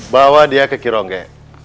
bawa dia ke kirongge